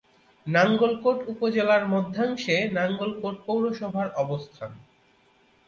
নাঙ্গলকোট উপজেলার মধ্যাংশে নাঙ্গলকোট পৌরসভার অবস্থান।